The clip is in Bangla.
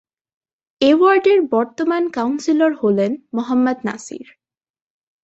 এ ওয়ার্ডের বর্তমান কাউন্সিলর হলেন মোহাম্মদ নাসির।